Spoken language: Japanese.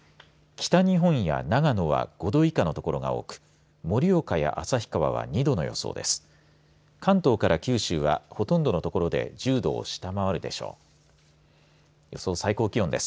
北日本や長野は５度以下の所が多く、盛岡や旭川は２度の予想です。